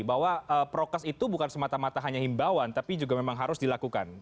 bahwa prokes itu bukan semata mata hanya himbawan tapi juga memang harus dilakukan